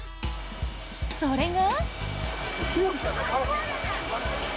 それが。